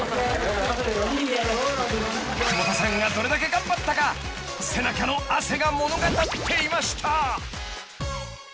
［窪田さんがどれだけ頑張ったか背中の汗が物語っていました］